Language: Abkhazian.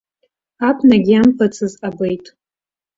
Абнагьы иамбацыз абеит.